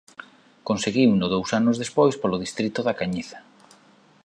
Conseguiuno dous anos despois polo distrito da Cañiza.